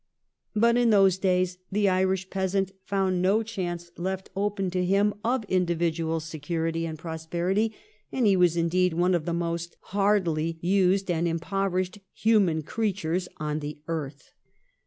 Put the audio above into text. But in those days the Irish peasant found no chance left open to him of individual security and prosperity, and he was indeed one of the most hardly used and impoverished human creatures on the earth.